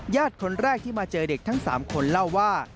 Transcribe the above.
คนแรกที่มาเจอเด็กทั้ง๓คนเล่าว่า